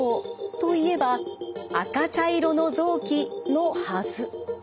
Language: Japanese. といえば赤茶色の臓器のはず。